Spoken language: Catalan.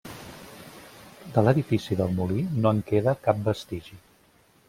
De l'edifici del molí no en queda cap vestigi.